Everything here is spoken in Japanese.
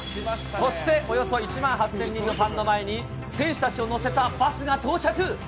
そして、およそ１万８０００人のファンの前に選手たちを乗せたバスが到着。